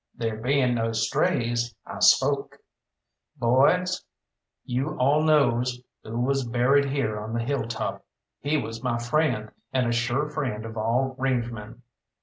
There being no strays, I spoke "Boys, you all knows who was buried here on the hilltop. He was my friend, and a sure friend of all range men."